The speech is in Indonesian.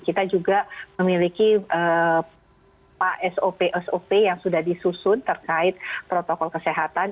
kita juga memiliki sop sop yang sudah disusun terkait protokol kesehatan